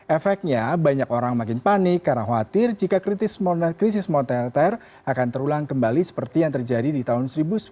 efeknya banyak orang makin panik karena khawatir jika kritis krisis moneter akan terulang kembali seperti yang terjadi di tahun seribu sembilan ratus sembilan puluh